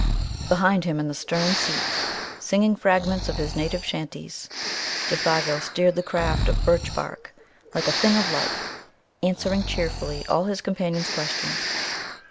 Behind him in the stern seat, singing fragments of his native chanties, Défago steered the craft of birch bark like a thing of life, answering cheerfully all his companion's questions.